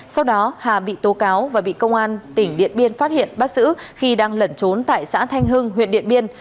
sau đó hà bị tố cáo và bị công an tỉnh điện biên phát hiện bắt giữ khi đang lẩn trốn tại xã thanh hưng huyện điện biên